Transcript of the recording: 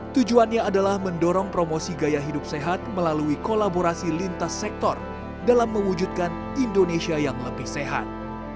tujuannya adalah mendorong promosi gaya hidup sehat melalui kolaborasi lintas sektor dalam mewujudkan indonesia yang lebih sehat